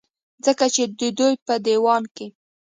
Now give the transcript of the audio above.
ځکه چې د دوي پۀ ديوان کې